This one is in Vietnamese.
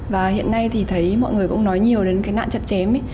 và hiện nay thì thấy mọi người cũng nói nhiều đến cái nạn chặt chém